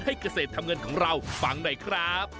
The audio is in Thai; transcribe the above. เกษตรทำเงินของเราฟังหน่อยครับ